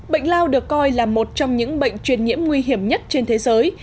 bệnh lao được coi là một trong những bệnh truyền nhiễm nguy hiểm nhất trên thế giới